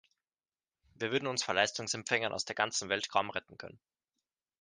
Wir würden uns vor Leistungsempfängern aus der ganzen Welt kaum retten können.